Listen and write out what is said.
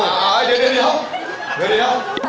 โอ้โหโอ้โหเดี๋ยวเดี๋ยว